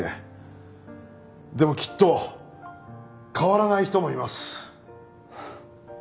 でもきっと変わらない人もいます。